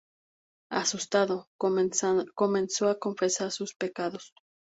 Asustado, comenzó a confesar sus pecados.